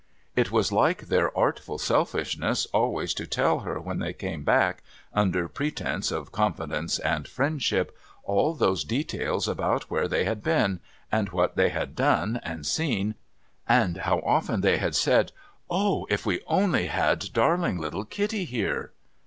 It was like their artful selfishness always to tell her when they came back, under pretence of confidence and friend ship, all those details about where they had been, and what they had done and seen, and how often they had said, ' O ! If we had only darling little Kitty here